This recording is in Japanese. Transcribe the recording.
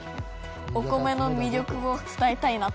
お米の魅力を伝えたいなと。